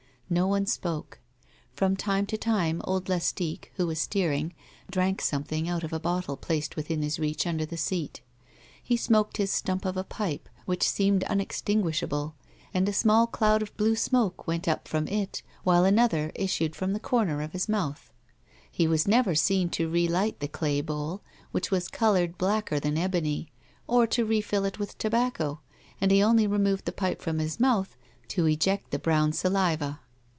No one spoke. From time to time old Lastique, who was steering, drank some thing out of a bottle placed within his reach under the seat. He smoked his stump of a pipe which seemed uuextinguish able, and a small cloud of blue smoke went up from it while another issued from the corner of his mouth ; he was never seen to relight the clay bowl, which was coloiu'ed blacker than ebony, or to refill it with tobacco, and he only removed the pipe from his mouth to eject the brown saliva.